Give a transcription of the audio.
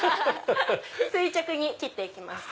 垂直に切って行きます。